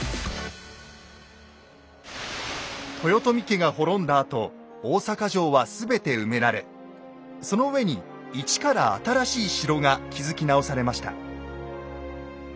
豊臣家が滅んだあと大坂城は全て埋められその上に一から新しい城が築き直されました。